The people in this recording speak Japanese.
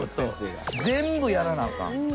全部やらなあかん。